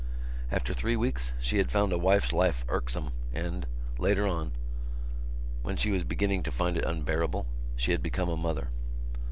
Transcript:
After three weeks she had found a wife's life irksome and, later on, when she was beginning to find it unbearable, she had become a mother.